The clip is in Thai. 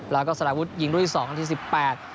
แล้วก็สารวุฒิยิงรุ่นที่๒นาที๑๘